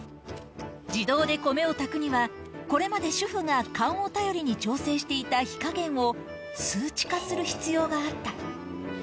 自動で米を炊くには、これまで主婦が勘を頼りに調整していた火加減を、数値化する必要があった。